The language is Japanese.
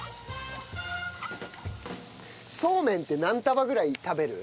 そうめんって何束ぐらい食べる？